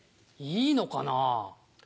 いいのかなぁ？